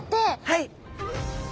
はい。